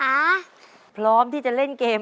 ตัวเลือกที่สอง๘คน